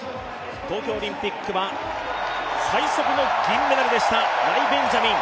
東京オリンピックは最速の銀メダルでしたライ・ベンジャミン。